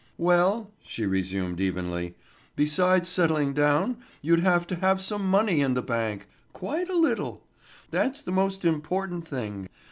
"Well," she resumed evenly, "besides settling down you'd have to have some money in the bank—quite a little. That's the most important thing.